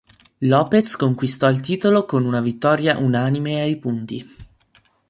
Lopez conquistò il titolo con una vittoria unanime ai punti.